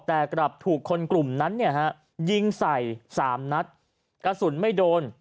แต่กลับถูกคนกลุ่มนั้นเนี่ยฮะยิงใส่๓นัดกระสุนไม่โดน